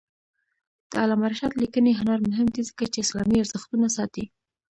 د علامه رشاد لیکنی هنر مهم دی ځکه چې اسلامي ارزښتونه ساتي.